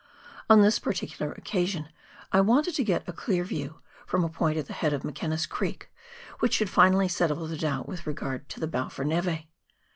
On this particular occasion I wanted to get a clear view, from a point at the head of McKenna's Creek, which should finally settle the doubt with regard to the Balfour neve.